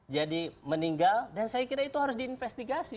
jadi meninggal dan saya kira itu harus diinvestigasi